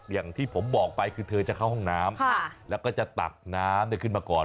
อย่างที่ผมบอกไปคือเธอจะเข้าห้องน้ำแล้วก็จะตักน้ำขึ้นมาก่อน